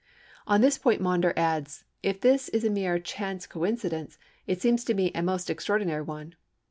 On this point Maunder adds:—"If this be a mere chance coincidence, it seems to me a most extraordinary one."